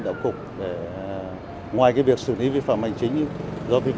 tăng cường chủ trì